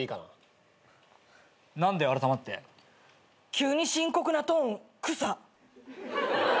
急に深刻なトーン草。